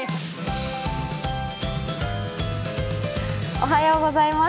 おはようございます。